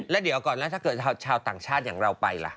แล้วเดี๋ยวก่อนนะถ้าเกิดชาวต่างชาติอย่างเราไปล่ะ